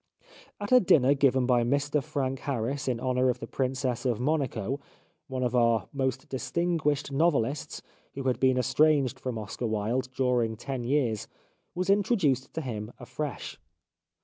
At a dinner given by Mr Frank Harris in honour of the Princess of Monaco, one of our most distinguished novelists, who had been estranged from Oscar Wilde during ten years, was introduced to him afresh.